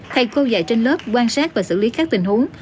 thầy cô dạy trên lớp quan sát và xử lý các tình huống